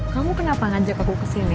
kamu kenapa ngajak aku kesini